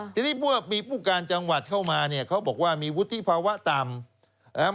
ทีนี้เมื่อมีผู้การจังหวัดเข้ามาเนี่ยเขาบอกว่ามีวุฒิภาวะต่ำนะครับ